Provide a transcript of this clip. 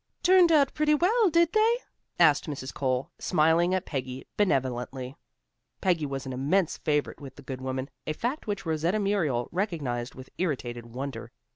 "Turned out pretty well, did they?" asked Mrs. Cole, smiling at Peggy benevolently. Peggy was an immense favorite with the good woman, a fact which Rosetta Muriel recognized with irritated wonder.